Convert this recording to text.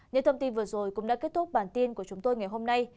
những thông tin vừa rồi cũng đã kết thúc bản tin của chúng tôi ngày hôm nay